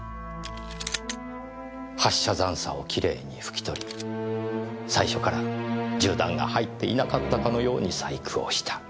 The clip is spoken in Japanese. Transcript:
発射残渣をきれいに拭き取り最初から銃弾が入っていなかったかのように細工をした。